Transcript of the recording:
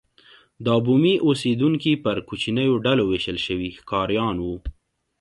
دا بومي اوسېدونکي پر کوچنیو ډلو وېشل شوي ښکاریان وو.